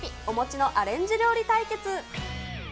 お餅のアレンジ料理対決。